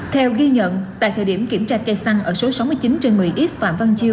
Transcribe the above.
theo ghi nhận tại thời điểm kiểm tra cây xăng ở số sáu mươi chín trên một mươi x phạm văn chiêu